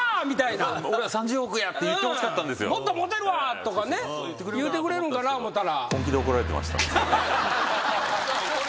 「もっともろてるわ」とかね言うてくれるんかな思たら。